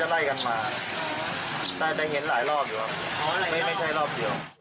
ได้ได้เห็นหลายรอบอยู่ไม่ใช่รอบเดียว